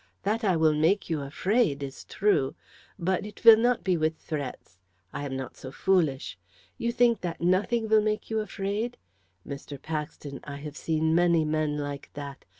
That I will make you afraid, is true, but it will not be with threats I am not so foolish. You think that nothing will make you afraid? Mr. Paxton, I have seen many men like that.